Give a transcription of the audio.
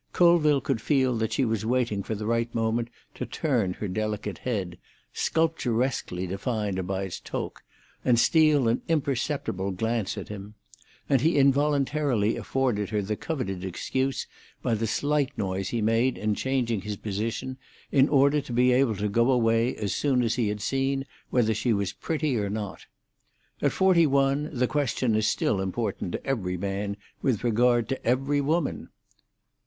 Colville could feel that she was waiting for the right moment to turn her delicate head, sculpturesquely defined by its toque, and steal an imperceptible glance at him: and he involuntarily afforded her the coveted excuse by the slight noise he made in changing his position in order to be able to go away as soon as he had seen whether she was pretty or not. At forty one the question is still important to every man with regard to every woman.